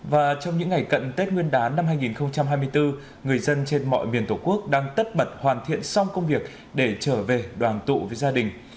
và trong những ngày cận tết nguyên đán năm hai nghìn hai mươi bốn người dân trên mọi miền tổ quốc đang tất bật hoàn thiện xong công việc để trở về đoàn tụ với gia đình